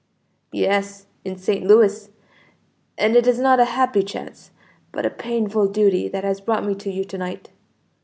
"Yes; in St. Louis; and it is not a happy chance, but a painful duty that has brought me to you to night."